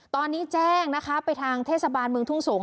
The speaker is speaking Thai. ตอนนี้แจ้งนะคะไปทางเทศบาลเมืองทุ่งสงศ